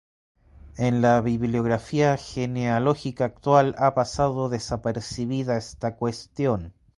En la bibliografía genealógica actual ha pasado desapercibida esta cuestión.